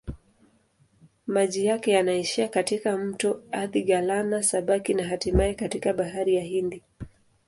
Maji yake yanaishia katika mto Athi-Galana-Sabaki na hatimaye katika Bahari ya Hindi.